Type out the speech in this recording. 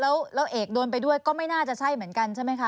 แล้วเอกโดนไปด้วยก็ไม่น่าจะใช่เหมือนกันใช่ไหมคะ